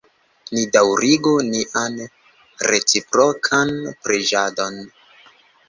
Ni daŭrigu nian reciprokan preĝadon.